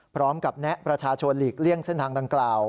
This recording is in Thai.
แนะประชาชนหลีกเลี่ยงเส้นทางดังกล่าว